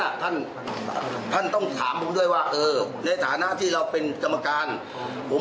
จะไม่มีการที่จะโกหกหรือเป็นใครไปจ้ามให้จัดฉากได้หรอก